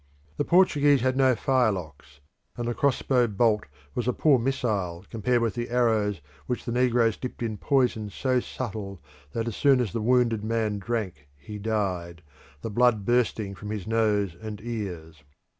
The Portuguese had no firelocks, and the crossbow bolt was a poor missile compared with the arrows which the negroes dipped in a poison so subtle that as soon as the wounded man drank he died, the blood bursting from his nose and ears.